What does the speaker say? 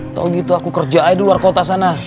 tau gitu aku kerja aja di luar kota sana